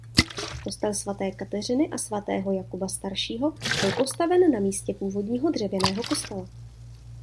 Kostel svaté Kateřiny a svatého Jakuba Staršího byl postaven na místě původního dřevěného kostela.